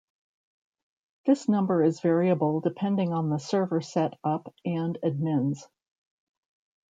This number is variable depending on the server set up and admins.